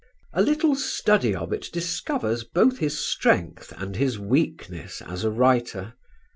A little study of it discovers both his strength and his weakness as a writer.